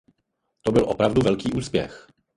To byl opravdu velký úspěch.